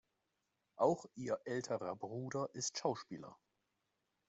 Auch ihr älterer Bruder ist Schauspieler.